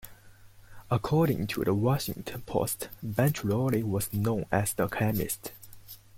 According to the Washington Post, Benchellali was known as the chemist.